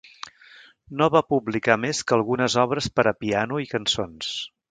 Nova publicar més que algunes obres per a piano i cançons.